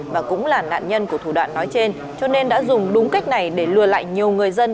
và cũng là nạn nhân của thủ đoạn nói trên cho nên đã dùng đúng cách này để lừa lại nhiều người dân